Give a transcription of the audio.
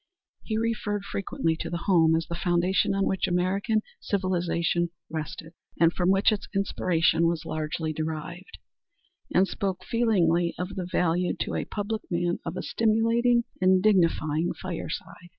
He referred frequently to the home as the foundation on which American civilization rested, and from which its inspiration was largely derived, and spoke feelingly of the value to a public man of a stimulating and dignifying fireside.